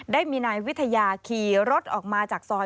ได้มีนายวิทยาขี่รถออกมาจากซอย